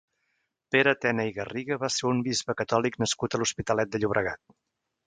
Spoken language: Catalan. Pere Tena i Garriga va ser un bisbe catòlic nascut a l'Hospitalet de Llobregat.